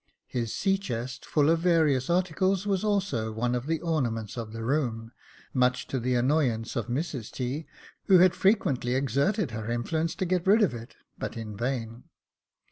His sea chest, full of various articles, was also one of the ornaments of the room, much to the annoyance of Mrs T., who had frequently exerted her influence to get rid of it, but in vain.